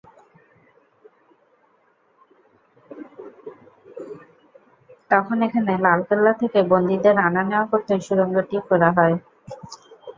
তখন এখানে লাল কেল্লা থেকে বন্দীদের আনা-নেওয়া করতে সুড়ঙ্গটি খোঁড়া হয়।